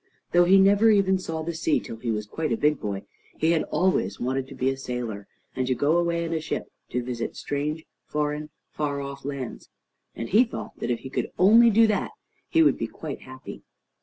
Though he never even saw the sea till he was quite a big boy, he had always wanted to be a sailor, and to go away in a ship to visit strange, foreign, far off lands; and he thought that if he could only do that, he would be quite happy.